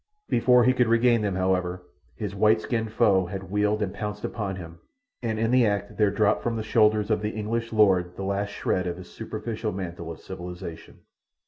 Before he could regain them, however, his white skinned foe had wheeled and pounced upon him, and in the act there dropped from the shoulders of the English lord the last shred of his superficial mantle of civilization.